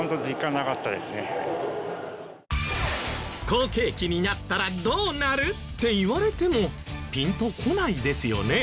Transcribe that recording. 好景気になったらどうなる？って言われてもピンとこないですよね。